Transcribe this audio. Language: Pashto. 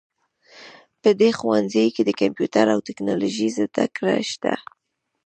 په دې ښوونځي کې د کمپیوټر او ټکنالوژۍ زده کړه شته